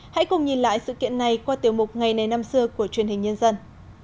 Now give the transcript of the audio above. hãy cùng nhìn lại sự kiện này qua tiểu mục ngày này năm xưa của truyền hình nhân dân